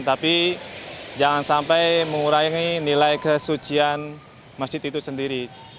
tapi jangan sampai mengurangi nilai kesucian masjid itu sendiri